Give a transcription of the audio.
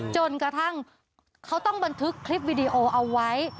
จนกระทั่งเขาต้องบันทึกคลิปวิดีโอเอาไว้